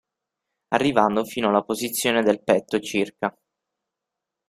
Arrivando fino alla posizione del petto circa.